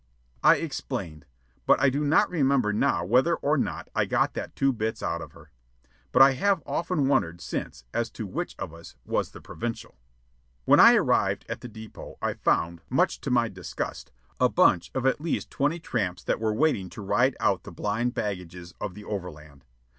I explained, but I do not remember now whether or not I got that two bits out of her; but I have often wondered since as to which of us was the provincial. When I arrived at the depot, I found, much to my disgust, a bunch of at least twenty tramps that were waiting to ride out the blind baggages of the overland.